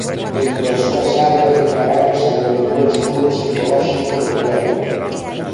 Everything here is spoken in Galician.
Entre as súas áreas de traballo salientou o estudo psicolóxico do clero.